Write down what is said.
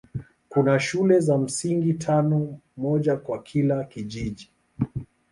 Kuna shule za msingi tano, moja kwa kila kijiji.